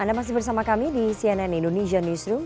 anda masih bersama kami di cnn indonesia newsroom